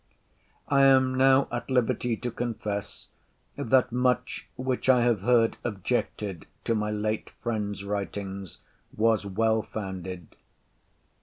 I am now at liberty to confess, that much which I have heard objected to my late friend's writings was well founded.